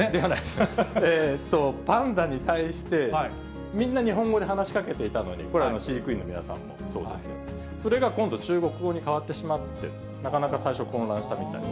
パンダに対して、みんな日本語で話しかけていたのに、これ、飼育員の皆さんもそうですが。それが今度、中国語に変わってしまって、なかなか最初、混乱したみたいです。